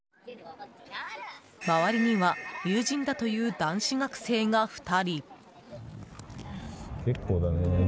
周りには友人だという男子学生が２人。